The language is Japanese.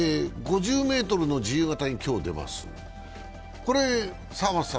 ５０ｍの自由形に今日、出ます。